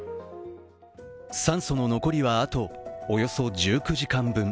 酸素の残りはあとおよそ１９時間分。